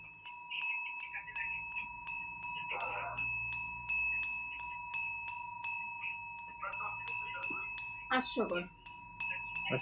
তাঁর সেই পোস্টের নিচে আসিফ অশালীন মন্তব্য ও হুমকি দেন।